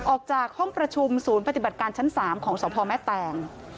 ออกจากห้องประชุมศูนย์ปฏิบัติการชั้น๓ของสพแม่แตง